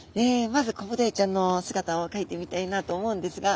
まずコブダイちゃんの姿をかいてみたいなと思うんですが。